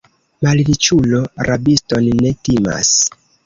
Malriĉulo rabiston ne timas.